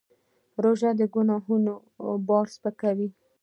روژه د ګناهونو بار سپکوي.